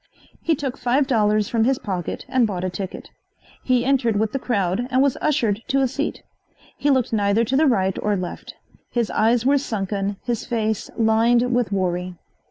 He took five dollars from his pocket and bought a ticket. He entered with the crowd and was ushered to a seat. He looked neither to the right or left. His eyes were sunken, his face lined with worry.